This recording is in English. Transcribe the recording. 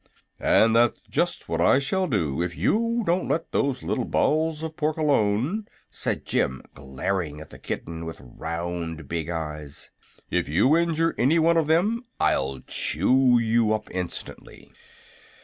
"And that's just what I shall do if you don't let those little balls of pork alone," said Jim, glaring at the kitten with his round, big eyes. "If you injure any one of them I'll chew you up instantly."